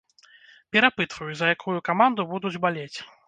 Перапытваю, за якую каманду будуць балець.